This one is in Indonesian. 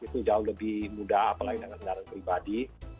itu jauh lebih mudah apalagi dengan kendaraan pribadi